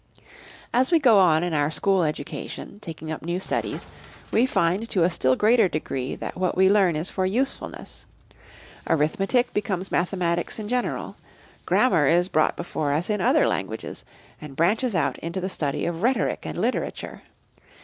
As we go on in our school education, taking up new studies, we find to a still greater degree that what we learn is for usefulness. Arithmetic becomes mathematics in general. Grammar is brought before us in other languages, and branches out into the study of Rhetoric and Literature.